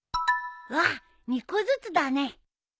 わあ２個ずつだね。